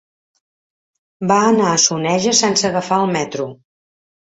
Va anar a Soneja sense agafar el metro.